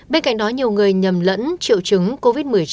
bên cạnh đó nhiều người nhầm lẫn triệu chứng covid một mươi chín